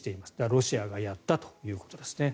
ロシアがやったということですね。